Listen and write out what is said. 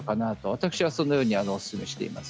私はそのようにおすすめしています。